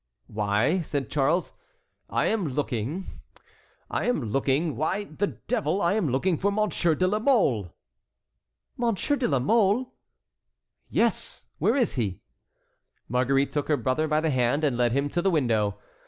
"Why," said Charles, "I am looking—I am looking—why, the devil! I am looking for Monsieur de la Mole." "Monsieur de la Mole!" "Yes; where is he?" Marguerite took her brother by the hand and led him to the window.